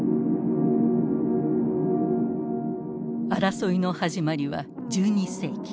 争いの始まりは１２世紀。